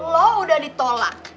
lu udah ditolak